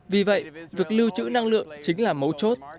vì vậy việc lưu trữ năng lượng chính là mấu chốt